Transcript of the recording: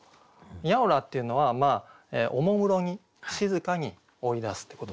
「やをら」っていうのはおもむろに静かに追い出すってことですね。